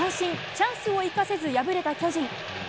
チャンスを生かせず敗れた巨人。